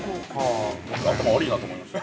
頭悪いなと思いました。